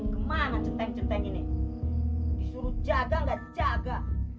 gimana centeng centeng ini disuruh jaga gak jaga